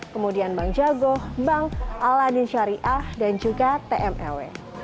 kemudian bank jago bank aladin syariah dan juga tmew